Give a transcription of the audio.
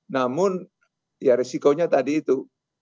namun ya risikonya tadi itu